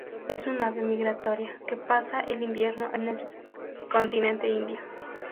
Es un ave migratoria, que pasa el invierno en el subcontinente Indio.